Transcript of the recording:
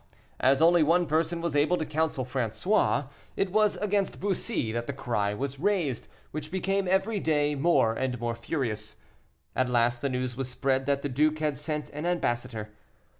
Now, as only one person was able to counsel François, it was against Bussy that the cry was raised, which became every day more and more furious. At last the news was spread that the duke had sent an ambassador.